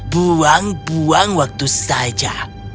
buang buang waktu saja